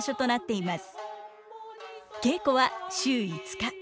稽古は週５日。